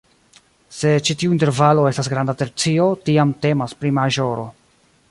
Se ĉi tiu intervalo estas granda tercio, tiam temas pri maĵoro.